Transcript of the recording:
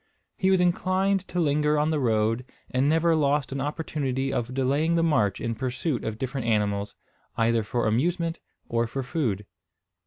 He was inclined to linger on the road, and never lost an opportunity of delaying the march in pursuit of different animals, either for amusement or for food.